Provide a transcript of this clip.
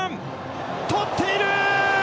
捕っている！